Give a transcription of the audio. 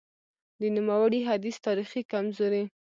د نوموړي حدیث تاریخي کمزوري :